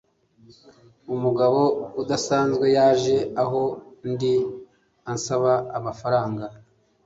umugabo udasanzwe yaje aho ndi ansaba amafaranga